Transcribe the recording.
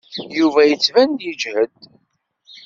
Yuba yettban yeǧhed.